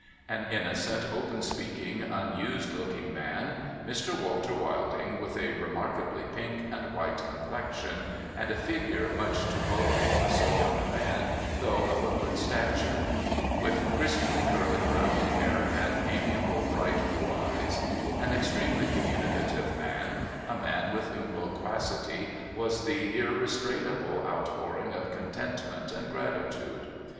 An innocent, open speaking, unused looking man, Mr. Walter Wilding, with a remarkably pink and white complexion, and a figure much too bulky for so young a man, though of a good stature. With crisply curling brown hair, and amiable bright blue eyes. An extremely communicative man : a man with whom loquacity was the irrestrainable outpouring of contentment and gratitude.